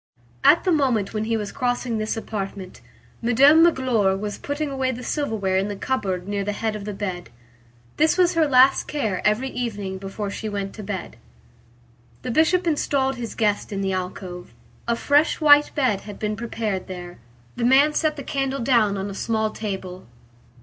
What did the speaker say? At the moment when he was crossing this apartment, Madame Magloire was putting away the silverware in the cupboard near the head of the bed. This was her last care every evening before she went to bed. The Bishop installed his guest in the alcove. A fresh white bed had been prepared there. The man set the candle down on a small table.